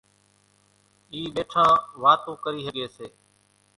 اِي ٻيٺان واتون ڪري ۿڳي سي۔